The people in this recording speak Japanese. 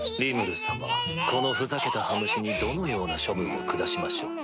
このふざけた羽虫にどのような処分を下しましょう？